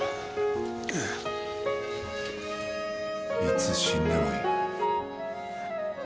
いつ死んでもいい。